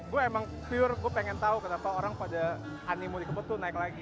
gue emang pure gue pengen tahu kenapa orang pada animu di kebetul naik lagi